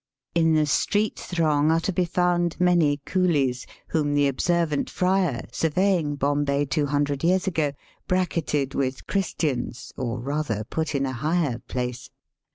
In the street throng are to be found many coolies, whom the observant Fryer, surveying Bombay two hundred years ago, bracketed with Christians, or rather put in a higher place.